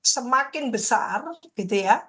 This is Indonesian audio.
semakin besar gitu ya